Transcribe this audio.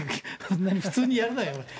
普通にやるなよ。